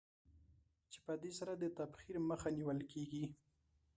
چې په دې سره د تبخیر مخه نېول کېږي.